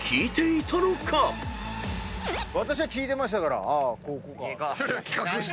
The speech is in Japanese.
私は聞いてましたからああここかと。